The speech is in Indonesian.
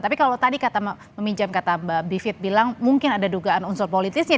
tapi kalau tadi kata meminjam kata mbak bivit bilang mungkin ada dugaan unsur politisnya